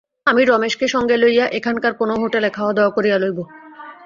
আমি রমেশকে সঙ্গে লইয়া এখানকার কোনো হোটেলে খাওয়া-দাওয়া করিয়া লইব।